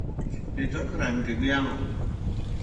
Itoyo rang’i gi ang’o?